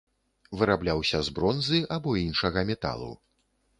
Вырабляўся з бронзы або іншага металу.